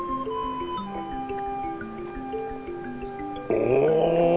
お！